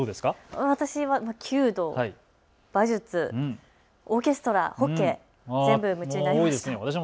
私は弓道、馬術、オーケストラ、ホッケー、全部夢中でした。